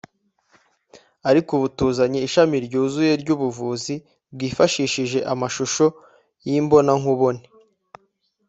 Ariko ubu tuzanye ishami ryuzuye ry’ubuvuzi bwifashishije amashusho y’imbonankubone